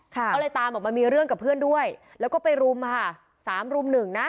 เขาเลยตามออกมามีเรื่องกับเพื่อนด้วยแล้วก็ไปรุม๓รุม๑นะ